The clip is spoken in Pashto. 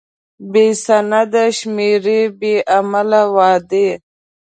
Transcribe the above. بې سنده شمارې، بې عمله وعدې.